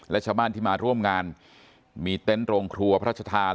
และชาวบ้านที่มาร่วมงานมีเต็นต์โรงครัวพระราชทาน